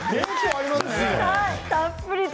はい、たっぷりと。